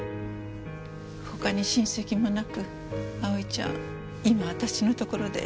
他に親戚もなく蒼ちゃん今は私のところで。